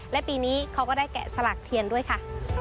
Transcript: และปีนี้เขาก็ได้แกะสลักเทียนด้วยค่ะ